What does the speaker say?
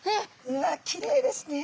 うわっきれいですね。